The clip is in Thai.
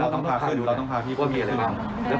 เราต้องพาพี่ไปดู